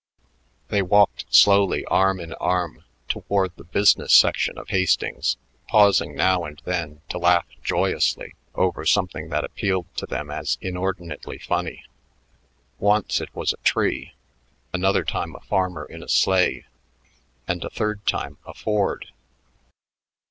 They walked slowly, arm in arm, toward the business section of Hastings, pausing now and then to laugh joyously over something that appealed to them as inordinately funny. Once it was a tree, another time a farmer in a sleigh, and a third time a Ford.